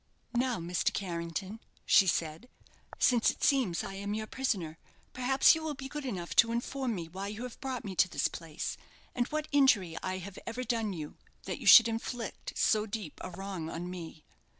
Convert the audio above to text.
"Now, Mr. Carrington," she said, "since it seems I am your prisoner, perhaps you will be good enough to inform me why you have brought me to this place, and what injury I have ever done you that you should inflict so deep a wrong on me?"